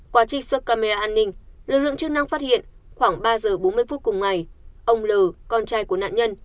qua trích xuất camera an ninh lực lượng chức năng phát hiện khoảng ba giờ bốn mươi phút cùng ngày ông l l con trai của nạn nhân